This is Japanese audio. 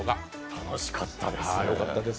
楽しかったです。